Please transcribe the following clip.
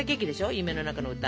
「夢の中の歌」。